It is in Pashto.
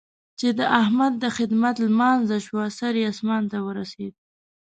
چې د احمد د خدمت لمانځه شوه؛ سر يې اسمان ته ورسېد.